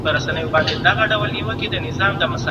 دغه جومات زموږ د کلي د ځوانانو لخوا پاک شوی دی.